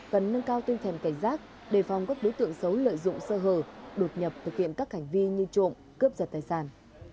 cần nâng cao tinh thần cảnh giác đề phòng các đối tượng xấu lợi dụng sơ hở đột nhập thực hiện các hành vi như trộm cướp giật tài sản